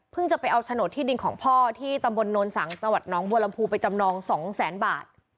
จะไปเอาโฉนดที่ดินของพ่อที่ตำบลโนนสังจังหวัดน้องบัวลำพูไปจำนองสองแสนบาท